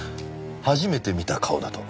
初めて見た顔だと。